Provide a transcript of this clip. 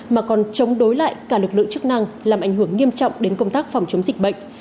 mà còn chống đối lại cả lực lượng chức năng làm ảnh hưởng nghiêm trọng đến công tác phòng chống dịch bệnh